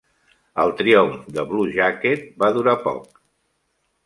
El triomf de Blue Jacket va durar poc.